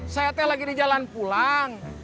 saya teh lagi di jalan pulang